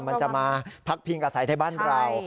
มันจะมาพักพิงอาศัยในบ้านเรา